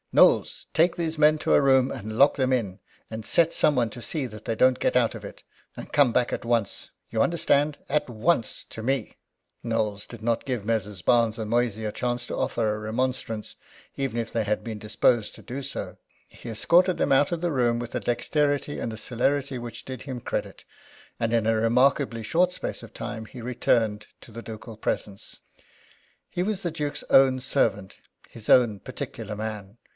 Knowles! take these men to a room, and lock them in it, and set some one to see that they don't get out of it, and come back at once. You understand, at once to me!" Knowles did not give Messrs. Barnes and Moysey a chance to offer a remonstrance, even if they had been disposed to do so. He escorted them out of the room with a dexterity and a celerity which did him credit, and in a remarkably short space of time he returned to the ducal presence. He was the Duke's own servant his own particular man.